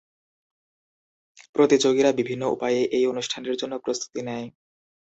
প্রতিযোগীরা বিভিন্ন উপায়ে এই অনুষ্ঠানের জন্য প্রস্তুতি নেয়।